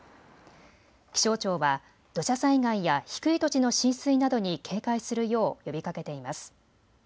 気象庁は土砂災害や低い土地の浸水などに警戒するよう呼びかけています。